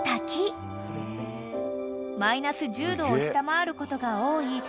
［マイナス１０℃を下回ることが多い